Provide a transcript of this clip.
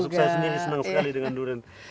saya sendiri senang sekali dengan durian